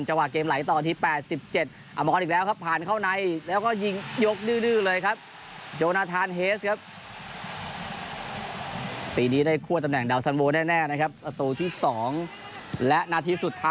เจาะเกมไหลต่อทีแปดสิบเจ็ดอ